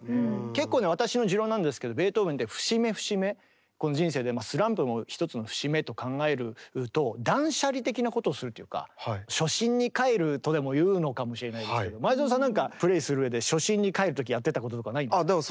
結構ね私の持論なんですけどベートーベンって節目節目この人生でスランプも一つの節目と考えると初心に返るとでも言うのかもしれないですけど前園さんなんかプレーする上で初心に返る時やってたこととか？